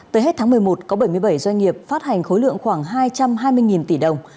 tới hết tháng một mươi một có bảy mươi bảy doanh nghiệp phát hành khối lượng khoảng hai trăm hai mươi tỷ đồng